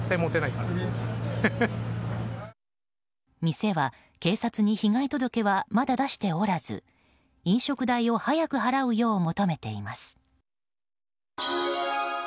店は警察に被害届はまだ出しておらず飲食代を早く払うよう求めています。